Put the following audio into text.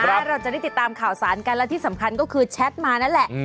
ไปตามข่าวสารกันแล้วที่สำคัญก็คือแชทมานั่นแหละ